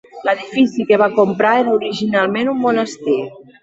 L'edifici que va comprar era originalment un monestir.